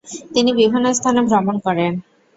তিনি বিভিন্ন স্থানে ভ্রমণ করেন।